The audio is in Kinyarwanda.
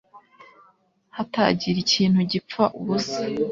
hatagira ikintu gipfa ubusa”